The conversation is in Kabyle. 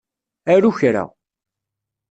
Aru kra.